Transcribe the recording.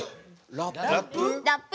ラップ！？